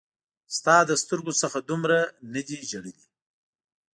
ستا له سترګو څخه دومره نه دي ژړلي